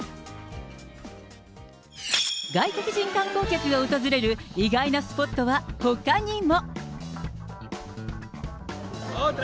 外国人観光客が訪れる意外なスポットはほかにも。